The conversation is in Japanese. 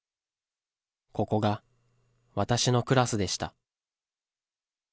ここが私のクラスでした。